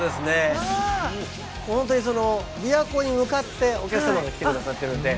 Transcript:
本当にびわ湖に向かってお客様が来てくださってるんで。